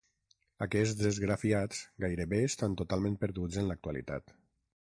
Aquests esgrafiats gairebé estan totalment perduts en l'actualitat.